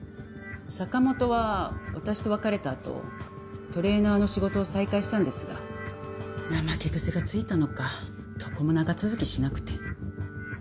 坂本は私と別れたあとトレーナーの仕事を再開したんですが怠け癖がついたのかどこも長続きしなくて。